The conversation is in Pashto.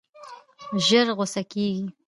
ژر غوسه کېږي.